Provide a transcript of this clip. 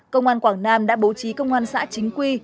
công an quảng nam đã bố trí công an xã chính quy